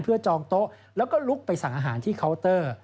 จองโต๊ะแล้วก็ลุกไปสั่งอาหารที่เคาน์เตอร์